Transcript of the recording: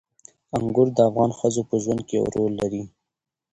انګور د افغان ښځو په ژوند کې یو رول لري.